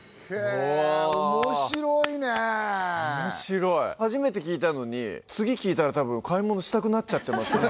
おもしろい初めて聴いたのに次聴いたら多分買い物したくなっちゃってますね